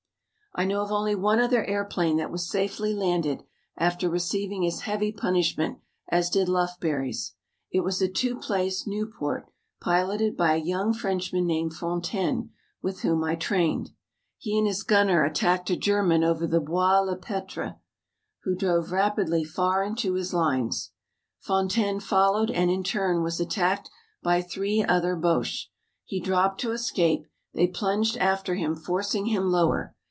I know of only one other airplane that was safely landed after receiving as heavy punishment as did Lufbery's. It was a two place Nieuport piloted by a young Frenchman named Fontaine with whom I trained. He and his gunner attacked a German over the Bois le Pretre who dove rapidly far into his lines. Fontaine followed and in turn was attacked by three other Boches. He dropped to escape, they plunged after him forcing him lower.